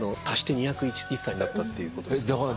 足して２０１歳になったっていうことですが。